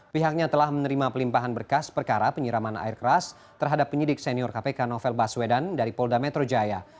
pihaknya telah menerima pelimpahan berkas perkara penyiraman air keras terhadap penyidik senior kpk novel baswedan dari polda metro jaya